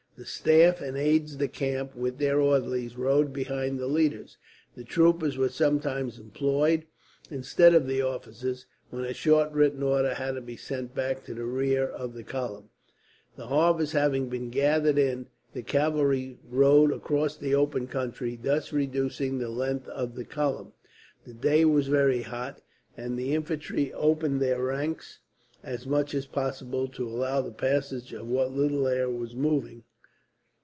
The staff and aides de camp, with their orderlies, rode behind the leaders. The troopers were sometimes employed, instead of the officers, when a short written order had to be sent back to the rear of the column. The harvest having been gathered in, the cavalry rode across the open country, thus reducing the length of the column. The day was very hot, and the infantry opened their ranks, as much as possible, to allow the passage of what little air was moving.